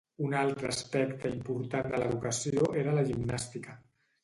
Un altre aspecte important de l’educació era la gimnàstica.